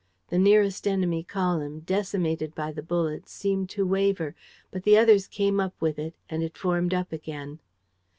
The nearest enemy column, decimated by the bullets, seemed to waver. But the others came up with it; and it formed up again.